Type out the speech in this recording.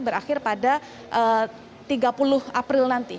berakhir pada tiga puluh april nanti